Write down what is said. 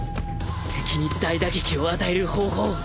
敵に大打撃を与える方法